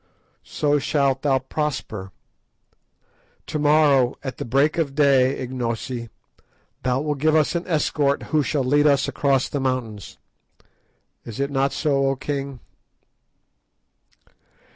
So shalt thou prosper. To morrow, at break of day, Ignosi, thou wilt give us an escort who shall lead us across the mountains. Is it not so, O king?"